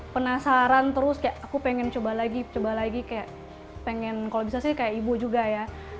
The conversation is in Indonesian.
penasaran terus kayak aku pengen coba lagi coba lagi kayak pengen kalau bisa sih kayak ibu juga ya